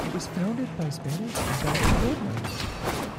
It was founded by Spanish and Belgian gold miners.